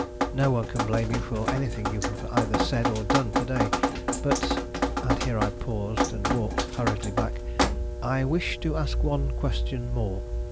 "No one can blame you for anything you have either said or done to day. But" and here I paused and walked hurriedly back, "I wish to ask one question more.